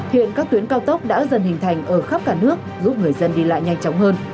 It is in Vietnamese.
hiện các tuyến cao tốc đã dần hình thành ở khắp cả nước giúp người dân đi lại nhanh chóng hơn